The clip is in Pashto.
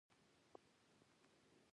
د مشورې په اساس مزار ته ولاړ.